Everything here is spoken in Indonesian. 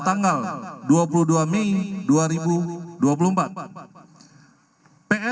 dan segera menemukan perang p pascal